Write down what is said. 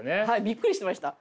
びっくりしてました。